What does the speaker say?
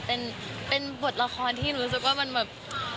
เป็นบทละครที่รู้สึกว่ามันแบบ